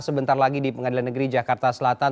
sebentar lagi di pengadilan negeri jakarta selatan